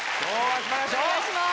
お願いします。